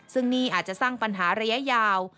ซึ่งนี่อาจจะสร้างปัญหาระยะยาว